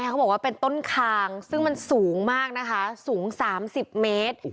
เขาบอกว่าเป็นต้นคางซึ่งมันสูงมากนะคะสูง๓๐เมตร